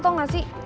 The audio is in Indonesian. tau gak sih